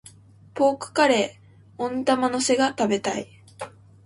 ポークカレー、温玉乗せが食べたい。